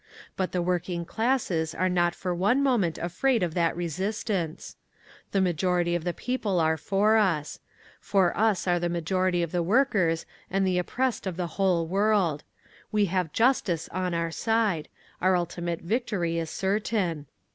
But the working classes are not for one moment afraid of that resistance. The majority of the people are for us. For us are the majority of the workers and the oppressed of the whole world. We have justice on our side. Our ultimate victory is certain.